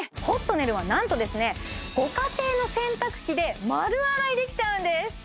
ホットネルはなんとですねご家庭の洗濯機で丸洗いできちゃうんです！